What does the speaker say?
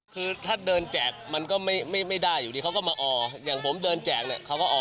คือถ้าเดินแจกมันก็ไม่ได้อยู่ดีเขาก็มาออกอย่างผมเดินแจกเนี่ยเขาก็ออก